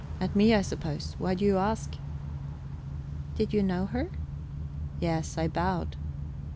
At me, I suppose. Why do you ask?" "Did you know her?" "Yes. I bowed."